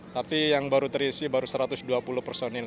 tapi yang baru terisi baru satu ratus dua puluh personil